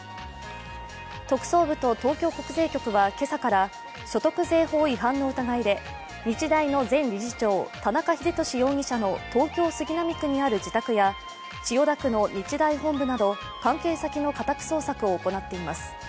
特捜部と東京国税局は今朝から所得税法違反の疑いで日大の前理事長、田中英寿容疑者の東京・杉並区にある自宅や千代田区の日大本部など家宅捜索を行っています。